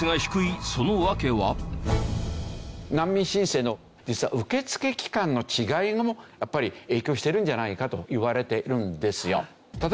難民申請の実は受付機関の違いもやっぱり影響してるんじゃないかといわれてるんですよ。